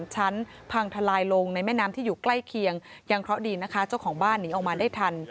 ชั้นพังทลายลงในแม่น้ำที่อยู่ใกล้เคียงยังเคราะห์ดีนะคะเจ้าของบ้านหนีออกมาได้ทัน